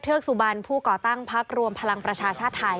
กสุบันผู้ก่อตั้งพักรวมพลังประชาชาติไทย